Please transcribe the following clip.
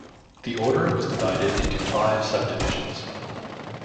The Order was divided into five subdivisions.